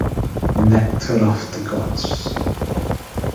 Nectar of the Gods.